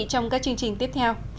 trong các chương trình tiếp theo